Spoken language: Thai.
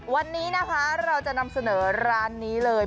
วันนี้นะคะเราจะนำเสนอร้านนี้เลย